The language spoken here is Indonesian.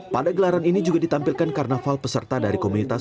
pada gelaran ini juga ditampilkan karnaval peserta dari komunitas